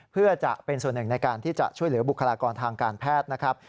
เพื่อจะเป็นส่วนหนึ่งในการที่จะช่วยเหลือบุคลากรทางการแพทย์นะครับ